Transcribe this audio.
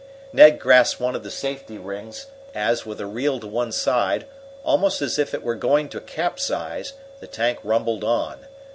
Ned grasped one of the safety rings, as, with a reel to one side, almost as if it were going to capsize, the tank rumbled on.